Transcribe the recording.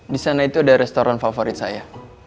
di sana itu ada restoran favorit saya